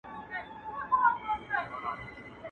o پياز څه کوم، نياز ئې څه کوم.